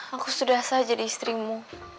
aku sudah saja di istrimu